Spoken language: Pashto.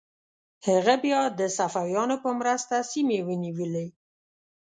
هغه بیا د صفویانو په مرسته سیمې ونیولې.